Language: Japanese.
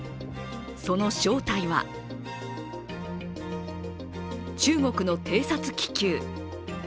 その正体は中国の偵察気球。